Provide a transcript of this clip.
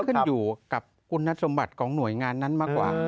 ขึ้นอยู่กับคุณสมบัติของหน่วยงานนั้นมากกว่า